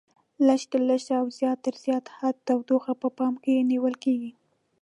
لږ تر لږه او زیات تر زیات حد تودوخه په پام کې نیول کېږي.